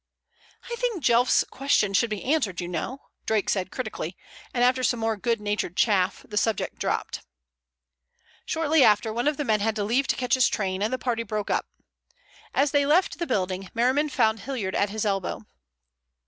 "I think Jelfs' question should be answered, you know," Drake said critically, and after some more good natured chaff the subject dropped. Shortly after one of the men had to leave to catch his train, and the party broke up. As they left the building Merriman found Hilliard at his elbow.